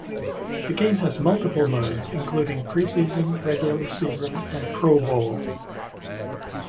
The game has multiple modes, including preseason, regular season and Pro Bowl.